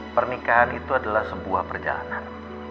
pernikahan itu adalah sebuah perjalanan